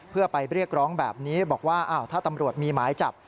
เพื่อไปเรียกร้องแบบนี้บอกว่าอ้าวถ้าตำรวจมีหมายจับ